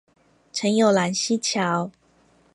陳有蘭溪橋